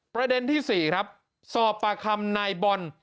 ประเด็นที่๔ครับสอบปากคำนายบอล